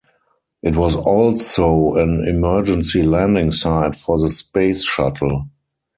It was also an emergency landing site for the Space Shuttle.